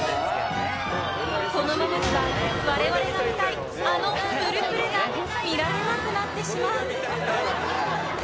このままでは我々が見たいあのプルプルが見られなくなってしまう。